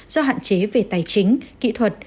do hạn chế về tài chính kỹ thuật